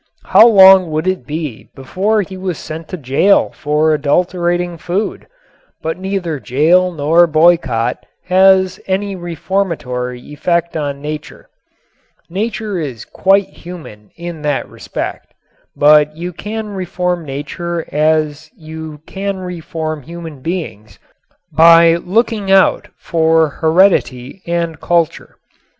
How long would it be before he was sent to jail for adulterating food? But neither jail nor boycott has any reformatory effect on Nature. Nature is quite human in that respect. But you can reform Nature as you can human beings by looking out for heredity and culture.